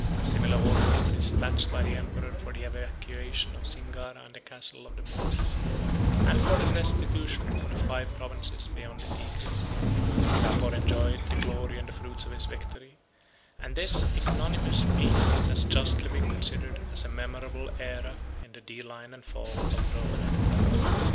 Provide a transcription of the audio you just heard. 126 Similar orders were despatched by the emperor for the evacuation of Singara and the castle of the Moors; and for the restitution of the five provinces beyond the Tigris. Sapor enjoyed the glory and the fruits of his victory; and this ignominious peace has justly been considered as a memorable æra in the decline and fall of the Roman empire.